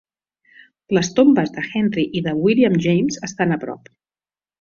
Les tombes de Henry i de William James estan a prop.